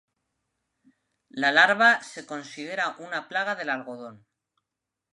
La larva se considera una plaga del algodón.